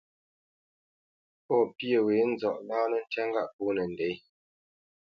Pɔ̂ pyê wě nzɔʼ láánǝ́ ntyá ŋgâʼ pōnǝ ndě.